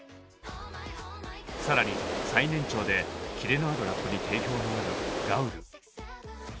更に最年長でキレのあるラップに定評のあるガウル。